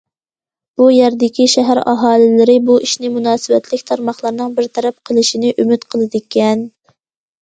بۇ يەردىكى شەھەر ئاھالىلىرى بۇ ئىشنى مۇناسىۋەتلىك تارماقلارنىڭ بىر تەرەپ قىلىشىنى ئۈمىد قىلىدىكەن.